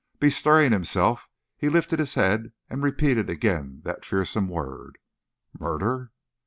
Bestirring himself, he lifted his head and repeated again that fearsome word: "Murder!"